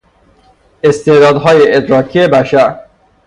استعدادهای ادراکی بشر